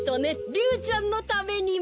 リュウちゃんのためにも。